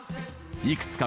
いくつか